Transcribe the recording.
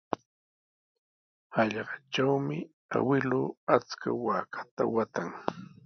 Hallqatrawmi awkilluu achka waakata waatan.